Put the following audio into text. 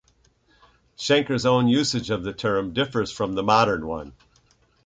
Schenker's own usage of the term differs from the modern one.